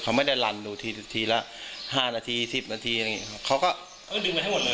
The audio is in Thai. เขาไม่ได้ลันดูทีทีละห้านาทีสิบนาทีอะไรอย่างนี้ครับเขาก็เออดึงไปให้หมดเลย